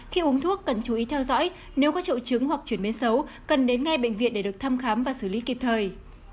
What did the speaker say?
khi uống thuốc cần chú ý theo dõi nếu có triệu chứng hoặc chuyển biến xấu cần đến ngay bệnh viện để được thăm khám và xử lý kịp thời